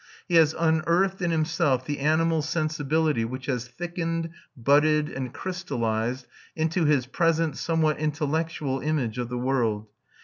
He has unearthed in himself the animal sensibility which has thickened, budded, and crystallised into his present somewhat intellectual image of the world.